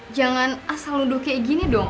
jangan asal nuduh kayak gini dong